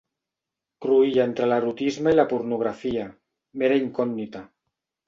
Cruïlla entre l'erotisme i la pornografia, mera incògnita.